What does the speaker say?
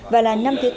và là năm thiệt